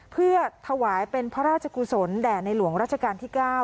เพื่อถวายเป็นพระราชกุศลแด่ในหลวงราชการที่๙